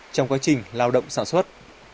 trong quá trình lao động sản xuất